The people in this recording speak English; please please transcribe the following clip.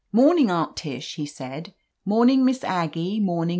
"Morning, Aunt Tish," lie said. "Morning, Miss Aggie, morning.